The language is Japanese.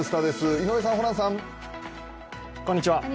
井上さん、ホランさん。